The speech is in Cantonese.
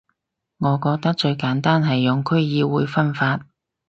我覺得最簡單係用區議會分法